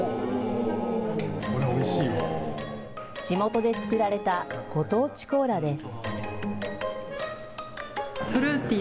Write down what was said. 地元で作られたご当地コーラです。